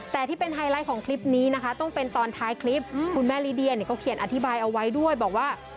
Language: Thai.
แต่ที่เป็นไฮไลท์ของคลิปนี้นะคะต้องเป็นตอนท้ายคลิปคุณแม่ลิเดียเนี่ยก็เขียนอธิบายเอาไว้ด้วยบอกว่า